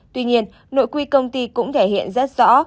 tuy nhiên nội quy công ty cũng thể hiện rất rõ